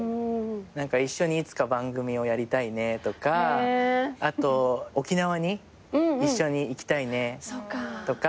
一緒にいつか番組をやりたいねとかあと沖縄に一緒に行きたいねとか。